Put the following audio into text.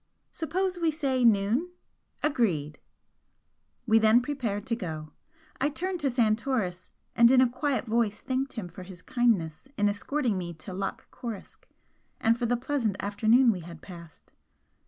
"Suppose we say noon?" "Agreed!" We then prepared to go. I turned to Santoris and in a quiet voice thanked him for his kindness in escorting me to Loch Coruisk, and for the pleasant afternoon we had passed.